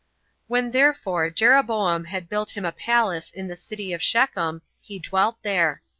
4. When therefore Jeroboam had built him a palace in the city Shechem, he dwelt there.